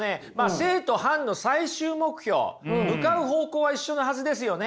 正と反の最終目標向かう方向は一緒のはずですよね。